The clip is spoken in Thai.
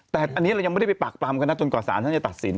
แต่อันนี้เรายังไม่ได้ไปปากปรำกันนะจนกว่าสารท่านจะตัดสิน